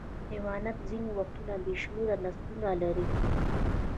حیوانات ځینې وختونه بې شمېره نسلونه لري.